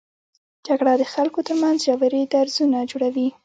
جګړه د خلکو تر منځ ژورې درزونه جوړوي